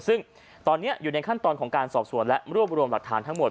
ซึ่งตอนนี้อยู่ในขั้นตอนของการสอบสวนและรวบรวมหลักฐานทั้งหมด